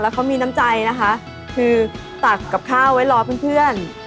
แล้วเขามีน้ำใจนะคะคือตักกับข้าวไว้รอเพื่อนเพื่อน